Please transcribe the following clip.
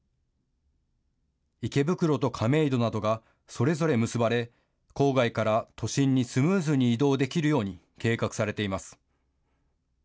池袋と亀戸などがそれぞれ結ばれ、郊外から都心にスムーズに移動できるように計画されています。